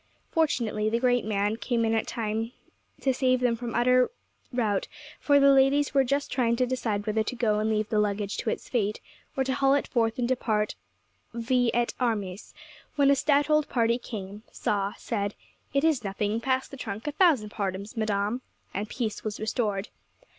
Fortunately the great man came in time to save them from utter rout; for the ladies were just trying to decide whether to go and leave the luggage to its fate, or to haul it forth and depart vi et armis, when a stout old party came, saw, said, 'It is nothing; pass the trunk; a thousand pardons, Madame,' and peace was restored.